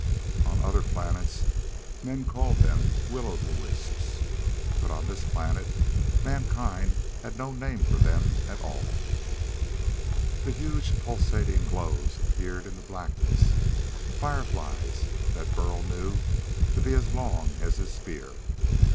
On other planets men call them "Will o' the wisps," but on this planet mankind had no name for them at all. Then huge, pulsating glows appeared in the blackness: fireflies that Burl knew to be as long as his spear.